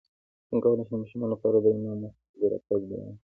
څنګه کولی شم د ماشومانو لپاره د امام مهدي راتګ بیان کړم